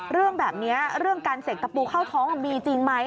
เรื่องแบบนี้เรื่องการเสกตะปูเข้าท้องมีจริงไหม